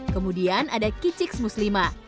kemudian ada kiciks muslimah